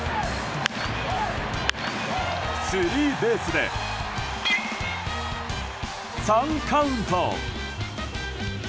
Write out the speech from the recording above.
スリーベースで３カウント。